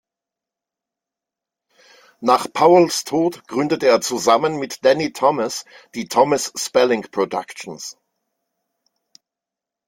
Nach Powells Tod gründete er zusammen mit Danny Thomas die "Thomas-Spelling Productions".